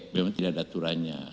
memang tidak ada aturannya